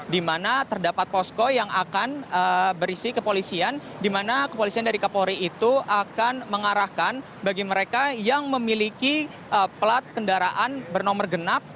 dimana terdapat posko yang akan berisi kepolisian dimana kepolisian dari kapolri itu akan mengarahkan bagi mereka yang memiliki pelat kendaraan bernomor genap